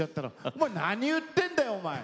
「お前何言ってんだよお前。